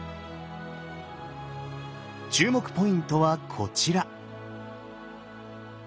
注目ポイントはこちら！